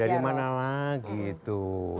dari mana lagi tuh